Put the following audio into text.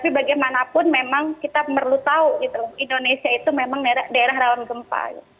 tapi bagaimanapun memang kita perlu tahu indonesia itu memang daerah rawan gempa